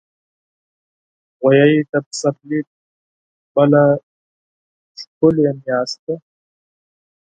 غویی د پسرلي بله ښکلي میاشت ده.